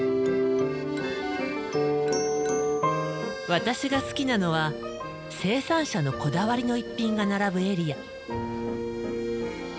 私が好きなのは生産者のこだわりの一品が並ぶエリア。